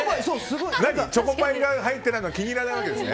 チョコパイが入ってないのが気に入らないわけですね。